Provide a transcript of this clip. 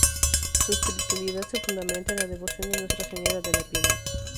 Su espiritualidad se fundamenta en la devoción de Nuestra Señora de la Piedad.